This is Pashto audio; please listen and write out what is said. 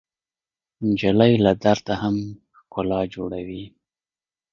نجلۍ له درده هم ښکلا جوړوي.